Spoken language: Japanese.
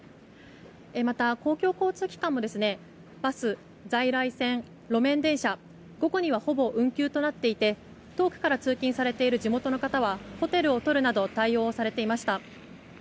また、公共交通機関もバス、在来線、路面電車は午後にはほぼ運休となっていて遠くから通勤されている地元の方は、ホテルをとるなど対応をされていました。